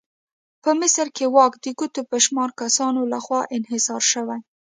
په مصر کې واک د ګوتو په شمار کسانو لخوا انحصار شوی.